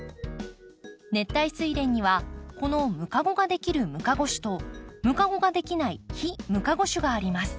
熱帯スイレンにはこのムカゴができるムカゴ種とムカゴができない非ムカゴ種があります。